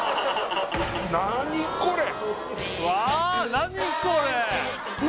何これ！